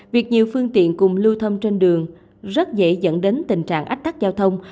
việc nhiều phương tiện cùng lưu thâm trên đường rất dễ dẫn đến tình trạng ách cắt giao thông